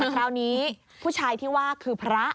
คราวนี้ผู้ชายที่ว่าคือพระ